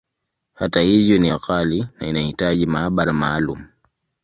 Hata hivyo, ni ghali, na inahitaji maabara maalumu.